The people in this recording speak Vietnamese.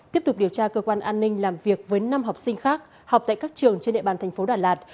tiếp tục điều tra cơ quan an ninh làm việc với năm học sinh khác học tại các trường trên địa bàn thành phố đà lạt